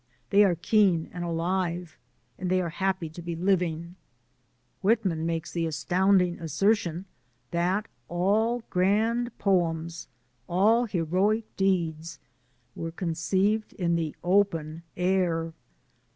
They are keen and alive and they are happy to be living. Whitman makes the astounding assertion that all grand poems, all heroic deeds, were conceived in the open air.